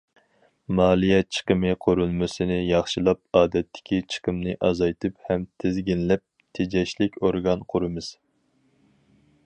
مالىيە چىقىمى قۇرۇلمىسىنى ياخشىلاپ، ئادەتتىكى چىقىمنى ئازايتىپ ھەم تىزگىنلەپ، تېجەشلىك ئورگان قۇرىمىز.